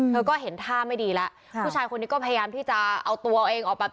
เธอก็เห็นท่าไม่ดีแล้วผู้ชายคนนี้ก็พยายามที่จะเอาตัวเองออกไป